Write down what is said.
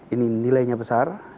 ini nilainya besar